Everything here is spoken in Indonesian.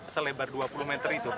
selebar dua puluh meter itu